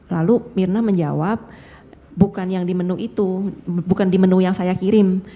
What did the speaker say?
lalu mirna menjawab bukan yang di menu itu bukan di menu yang saya kirim